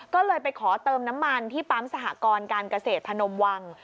ก็เลยไปขอเติมน้ำมันที่ปั๊มสหกรการเกษตรพนมวัง